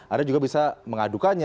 anda juga bisa mengadukannya